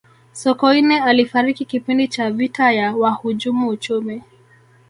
sokoine alifariki kipindi cha vita ya wahujumu uchumi